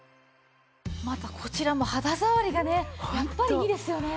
またこちらも肌触りがねやっぱりいいですよね。